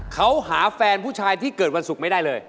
เขาหาแฟนผู้ชายที่เกิดวันศุกร์ไม่ได้เลย